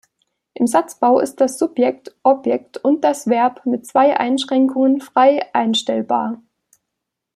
Im Satzbau ist das Subjekt, Objekt und das Verb, mit zwei Einschränkungen, frei einstellbar.